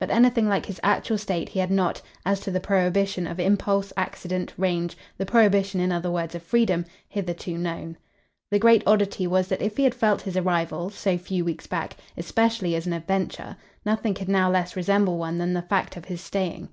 But anything like his actual state he had not, as to the prohibition of impulse, accident, range the prohibition in other words of freedom hitherto known. The great oddity was that if he had felt his arrival, so few weeks back, especially as an adventure, nothing could now less resemble one than the fact of his staying.